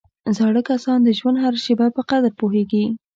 زاړه کسان د ژوند هره شېبه په قدر پوهېږي